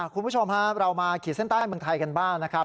คุณผู้ชมฮะเรามาขีดเส้นใต้เมืองไทยกันบ้างนะครับ